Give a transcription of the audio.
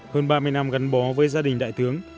hơn ba mươi năm gắn bó với gia đình đại tướng